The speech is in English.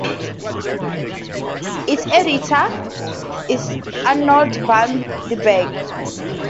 Its editor is Arnoud van den Berg.